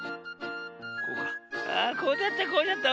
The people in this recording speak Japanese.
あっこうだったこうだった。